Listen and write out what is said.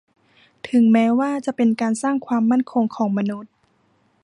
ถึงแม้ว่าจะเป็นการสร้างความมั่นคงของมนุษย์